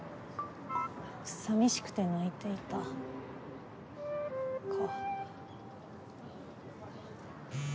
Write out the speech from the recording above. さみしくて泣いていたか。